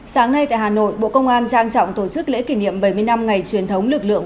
sáng nay tại hà nội bộ công an trang trọng tổ chức lễ kỷ niệm bảy mươi năm ngày truyền thống lực lượng